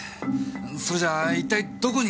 それじゃ一体どこに！